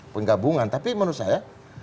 penggabungan tapi menurut saya